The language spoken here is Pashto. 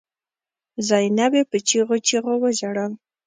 زينبې په چيغو چيغو وژړل.